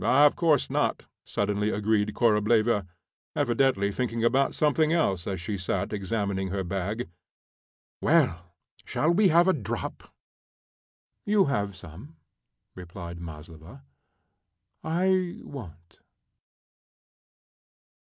"Of course not," suddenly agreed Korableva, evidently thinking about something else as she sat examining her bag. "Well, shall we have a drop?" "You have some," replied Maslova. "I won't."